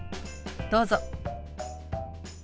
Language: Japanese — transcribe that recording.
どうぞ。